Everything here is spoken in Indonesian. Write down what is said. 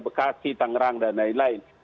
bekasi tangerang dan lain lain